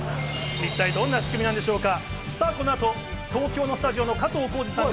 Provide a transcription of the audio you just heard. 一体どんな仕組みなんでしょうか。